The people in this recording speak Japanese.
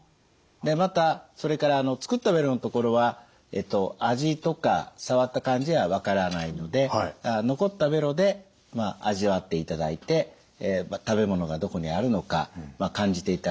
またそれから作ったベロの所は味とか触った感じは分からないので残ったベロで味わっていただいて食べ物がどこにあるのか感じていただくことになります。